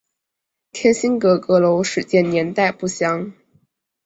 天心阁阁楼始建年代不详。